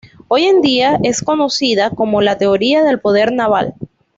Hoy en día, es conocida como la teoría del poder naval.